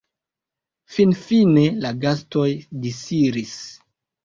Finfine la gastoj disiris.